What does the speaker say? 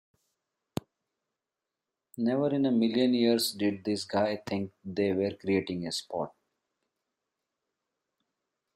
Never in a million years did these guys think they were creating a sport.